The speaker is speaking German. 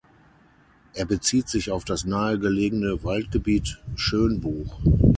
Er bezieht sich auf das nahegelegene Waldgebiet Schönbuch.